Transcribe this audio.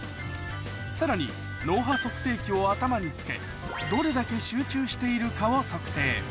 さらに脳波測定器を頭に着けどれだけ集中しているかを測定